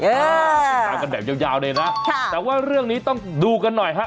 เออสงสัยกันแบบยาวเลยนะแต่ว่าเรื่องนี้ต้องดูกันหน่อยฮะ